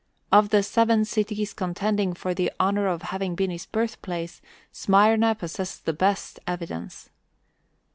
Of the seven cities contending for the honor of having been his birthijlace, Smyrna possesses the best evidence.